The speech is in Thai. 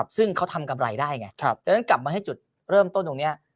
ซึ่งเขาทำกำไรได้ไงดังนั้นกลับมาให้จุดเริ่มต้นตรงนี้